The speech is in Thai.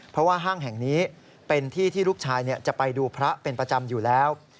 เพราะว่าห้างแห่งนี้เป็นที่ที่ลูกชายจะไปดูพระเป็นประจำอยู่แล้ว